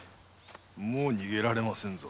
もう逃げられませんぞ。